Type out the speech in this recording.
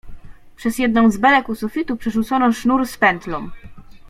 "Przez jedną z belek u sufitu przerzucono sznur z pętlą."